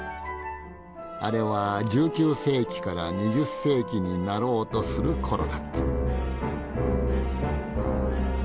あれは１９世紀から２０世紀になろうとする頃だった。